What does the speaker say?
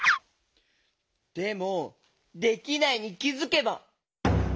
でも「できないに気づけば」？